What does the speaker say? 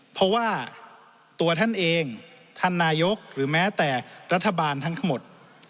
เพราะว่าตัวท่านเองท่านนายกหรือแม้แต่รัฐบาลทั้งหมด